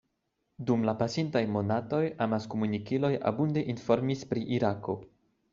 Dum la pasintaj monatoj amas-komunikiloj abunde informis pri Irako.